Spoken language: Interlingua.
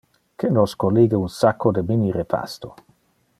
Que nos collige un sacco de mini-repasto.